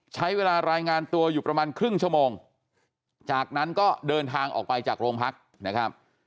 ใช้เวลารายงานตัวอยู่ประมาณครึ่งชั่วโมงจากนั้นก็เดินทางออกไปจากโรงพักนะครับ